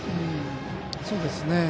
そうですね。